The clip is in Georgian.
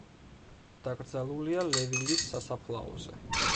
დაკრძალულია ლევილის სასაფლაოზე.